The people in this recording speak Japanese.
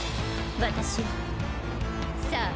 私よさあ